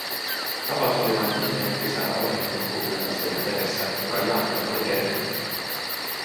Tapaus oli vain viimeinen pisara ohimennen kuultujen asioiden meressä, joka Jaanalle oli kertynyt.